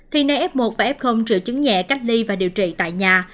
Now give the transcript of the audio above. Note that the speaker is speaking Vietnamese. thì nay f một và f trừ chứng nhẹ cách ly và điều trị tại nhà